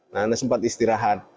nah ada sempat istirahat